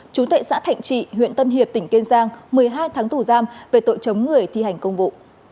chú tệ xã thạnh trị huyện tân hiệp tỉnh kiên giang một mươi hai tháng tù giam về tội chống người thi hành công vụ